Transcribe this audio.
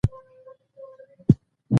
څوک د چا ښکار کوي؟